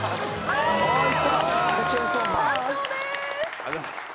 ありがとうございます。